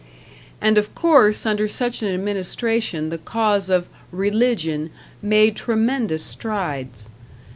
And of course under such an administration the cause of "Religion" made tremendous strides.